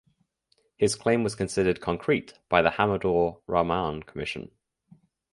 His claim was considered "concrete" by the Hamoodur Rahman commission.